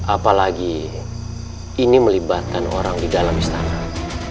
apalagi ini melibatkan orang di dalam istana